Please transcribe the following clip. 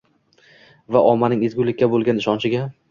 va ommaning ezgulikka bo‘lgan ishonchiga